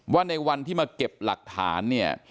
ว่าในวันที่มาเก็บหลักฐานเนี่ย